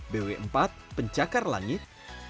bw empat pencakar langit